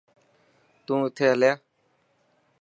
تون اٿي هليا.